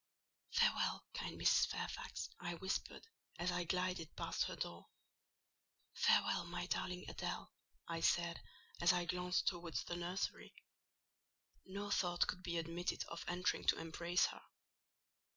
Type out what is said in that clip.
"Farewell, kind Mrs. Fairfax!" I whispered, as I glided past her door. "Farewell, my darling Adèle!" I said, as I glanced towards the nursery. No thought could be admitted of entering to embrace her.